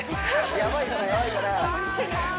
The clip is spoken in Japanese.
やばいかな？